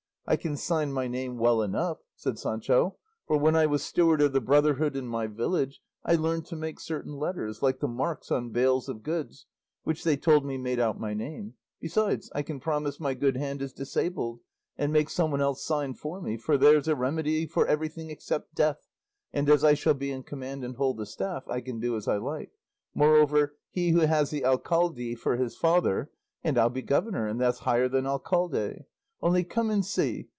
"I can sign my name well enough," said Sancho, "for when I was steward of the brotherhood in my village I learned to make certain letters, like the marks on bales of goods, which they told me made out my name. Besides I can pretend my right hand is disabled and make some one else sign for me, for 'there's a remedy for everything except death;' and as I shall be in command and hold the staff, I can do as I like; moreover, 'he who has the alcalde for his father—,' and I'll be governor, and that's higher than alcalde. Only come and see!